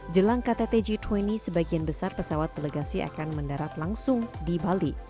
jelang ktt g dua puluh sebagian besar pesawat delegasi akan mendarat langsung di bali